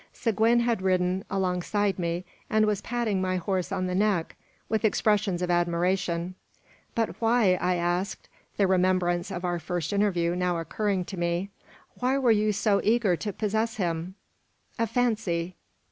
Seguin had ridden alongside me, and was patting my horse on the neck with expressions of admiration. "But why?" I asked, the remembrance of our first interview now occurring to me, "why were you so eager to possess him?" "A fancy."